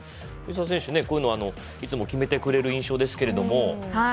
藤澤選手、こういうのはいつも決めてくれる印象ですけれども。